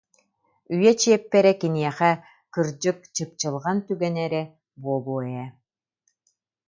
Үйэ чиэппэрэ киниэхэ, кырдьык, чыпчылҕан түгэнэ эрэ буолуо ээ